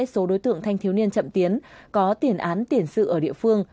số đối tượng thanh thiếu niên chậm tiến có tiền án tiền sự ở địa phương